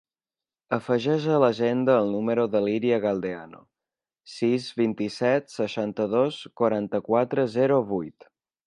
Afegeix a l'agenda el número de l'Iria Galdeano: sis, vint-i-set, seixanta-dos, quaranta-quatre, zero, vuit.